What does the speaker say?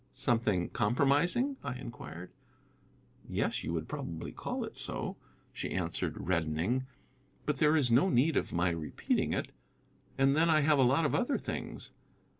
"Something compromising?" I inquired. "Yes, you would probably call it so," she answered, reddening. "But there is no need of my repeating it. And then I have a lot of other things.